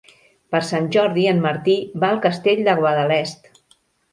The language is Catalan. Per Sant Jordi en Martí va al Castell de Guadalest.